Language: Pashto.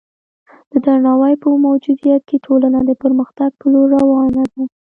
د درناوي په موجودیت کې ټولنه د پرمختګ په لور روانه ده.